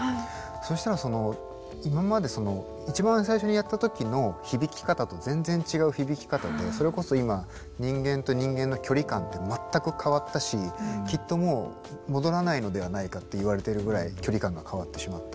そしたらその今まで一番最初にやった時の響き方と全然違う響き方でそれこそ今人間と人間の距離間って全く変わったしきっともう戻らないのではないかっていわれているぐらい距離感が変わってしまった。